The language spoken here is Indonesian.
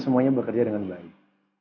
semuanya bekerja dengan baik